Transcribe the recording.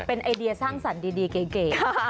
เป็นไอเดียสร้างสรรค์ดีเก๋